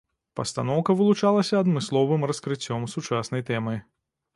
Пастаноўка вылучалася адмысловым раскрыццём сучаснай тэмы.